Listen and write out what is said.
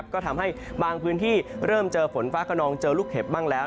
ก็ทำให้บางพื้นที่เริ่มเจอฝนฟ้าขนองเจอลูกเห็บบ้างแล้ว